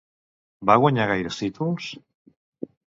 Va guanyar gaires títols?